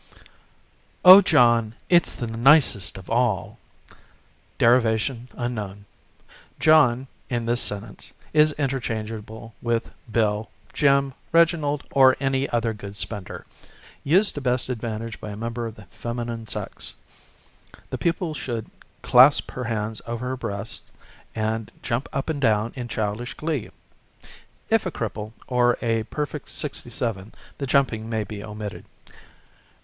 "Oh, John, it's the nicest of all" (Derivation unknown). John, in this sentence, is interchange able with Bill, Jim, Reginald or any other good spender. Used to best advantage by a member of the feminine sex. The pupil should clasp her hands over her breast and jump up and down in childish glee. (If a cripple or a perfect sixty seven the jumping may be omitted).